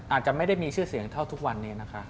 อาจจะไม่ได้มีชื่อเสียงเท่าทุกวันนี้นะคะ